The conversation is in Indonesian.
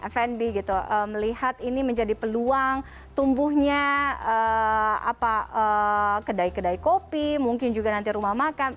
fnd melihat ini menjadi peluang tumbuhnya kedai kedai kopi mungkin juga nanti rumah makan